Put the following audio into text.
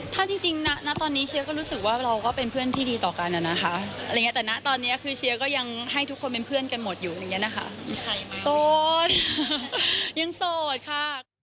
ถ้าจริงณตอนนี้เชียร์ก็รู้สึกว่าเราก็เป็นเพื่อนที่ดีต่อกันนะคะอะไรอย่างเงี้แต่นะตอนนี้คือเชียร์ก็ยังให้ทุกคนเป็นเพื่อนกันหมดอยู่อย่างเงี้ยนะคะโสดยังโสดค่ะ